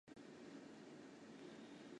朗提尼人口变化图示